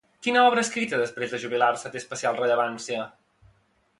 Quina obra escrita després de jubilar-se té especial rellevància?